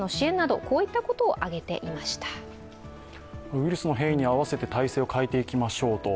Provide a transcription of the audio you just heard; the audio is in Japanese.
ウイルスの変異に合わせて体制を変えていきましょうと。